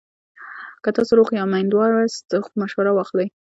که تاسو ناروغ یا میندوار یاست، مشوره واخلئ.